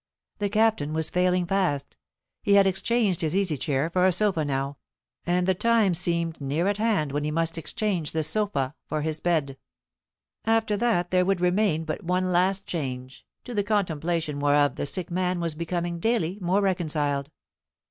The Captain was failing fast. He had exchanged his easy chair for a sofa now; and the time seemed near at hand when he must exchange the sofa for his bed. After that there would remain but one last change, to the contemplation whereof the sick man was becoming daily more reconciled.